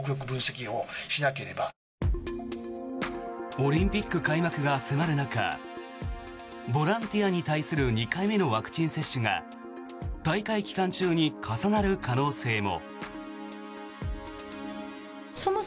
オリンピック開幕が迫る中ボランティアに対する２回目のワクチン接種が大会期間中に重なる可能性も。